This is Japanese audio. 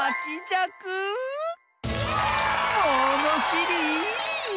ものしり！